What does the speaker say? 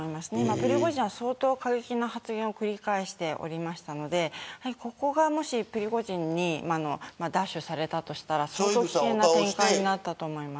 プリゴジンは相当過激な発言を繰り返していたのでここが、もしプリゴジンに奪取されたとしたら危険な展開になったと思います。